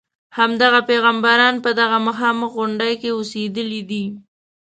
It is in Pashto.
همدغه پیغمبران په دغه مخامخ غونډې کې اوسېدلي دي.